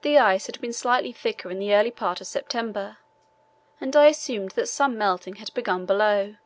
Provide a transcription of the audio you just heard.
This ice had been slightly thicker in the early part of September, and I assumed that some melting had begun below.